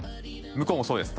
向こうもそうです